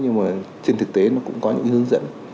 nhưng mà trên thực tế nó cũng có những hướng dẫn